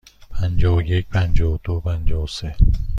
پنجاه و یک، پنجاه و دو، پنجاه و سه.